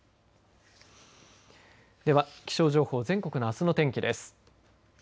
では、気象情報全国のあすの天気です。